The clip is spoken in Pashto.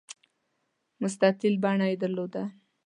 مستطیل بڼه یې درلوده.